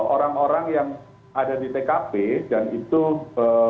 orang orang yang terlibat baik secara aktif maupun pasif itu berlangsung